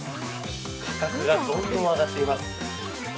価格がどんどん上がってます。